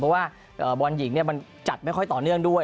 เพราะว่าบอลหญิงมันจัดไม่ค่อยต่อเนื่องด้วย